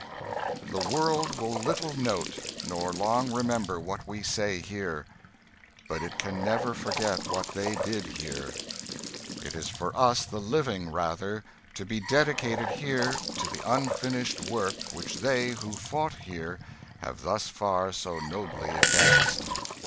The world will little note, nor long remember, what we say here, but it can never forget what they did here. It is for us the living, rather, to be dedicated here to the unfinished work which they who fought here have thus far so nobly advanced.